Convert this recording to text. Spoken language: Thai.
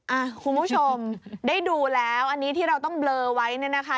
คุณผู้ชมได้ดูแล้วอันนี้ที่เราต้องเบลอไว้เนี่ยนะคะ